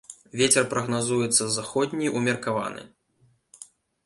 Вецер прагназуецца заходні ўмеркаваны.